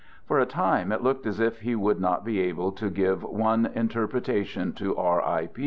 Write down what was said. For a time it looked as if he would not be able to give one interpretation to R. I.